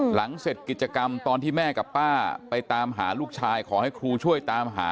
หลังเสร็จกิจกรรมตอนที่แม่กับป้าไปตามหาลูกชายขอให้ครูช่วยตามหา